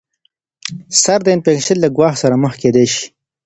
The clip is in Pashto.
سر د انفیکشن له ګواښ سره مخ کیدای شي.